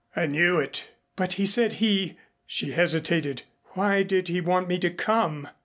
"I knew it." "But he said he " she hesitated. "Why did he want me to come?